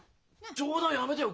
冗談やめてよ。